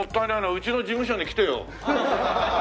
うちの事務所に来てよ。